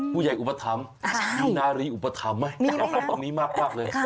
ผู้ใหญ่อุปถัมธ์มีนารีอุปถัมธ์ไหมทำตรงนี้มากเลย